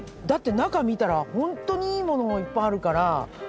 だって中見たら本当にいいものもいっぱいあるから。